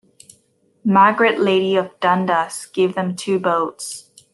Margaret, Lady of Dundas gave them two boats.